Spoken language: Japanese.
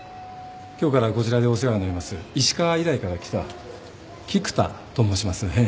今日からこちらでお世話になります石川医大から来た菊田と申します。